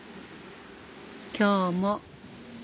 今日も